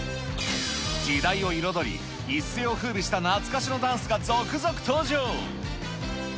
時代を彩り、一世をふうびした懐かしのダンスが続々登場。